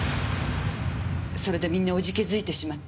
それでみんな怖気づいてしまって。